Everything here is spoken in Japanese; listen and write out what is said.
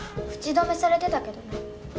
口止めされてたけどね。